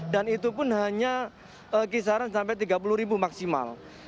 dan itu pun hanya kisaran sampai tiga puluh ribu maksimal